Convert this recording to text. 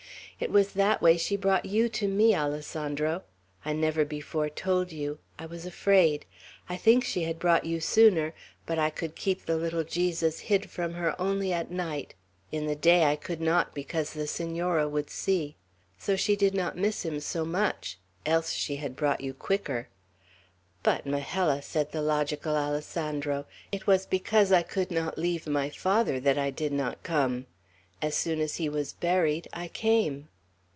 It was that way she brought you to me, Alessandro. I never before told you. I was afraid. I think she had brought you sooner, but I could keep the little Jesus hid from her only at night. In the day I could not, because the Senora would see. So she did not miss him so much; else she had brought you quicker." "But, Majella," said the logical Alessandro, "it was because I could not leave my father that I did not come. As soon as he was buried, I came."